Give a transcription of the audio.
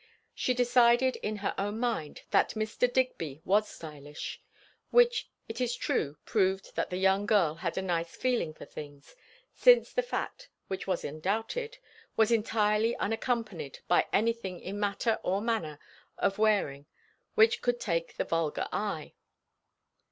She decided in her own mind that Mr. Digby was stylish; which it is true proved that the young girl had a nice feeling for things; since the fact, which was undoubted, was entirely unaccompanied by anything in matter or manner of wearing which could take the vulgar eye.